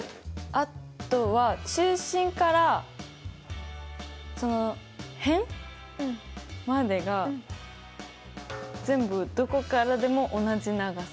あとは中心からその辺までが全部どこからでも同じ長さ。